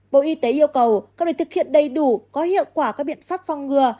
bộ y tế yêu cầu các đề thực hiện đầy đủ có hiệu quả các biện pháp phong ngừa